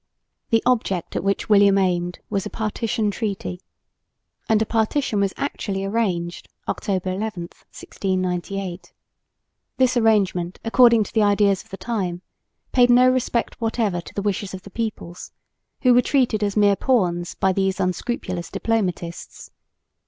The object at which William aimed was a partition treaty; and a partition was actually arranged (October 11, 1698). This arrangement, according to the ideas of the time, paid no respect whatever to the wishes of the peoples, who were treated as mere pawns by these unscrupulous diplomatists.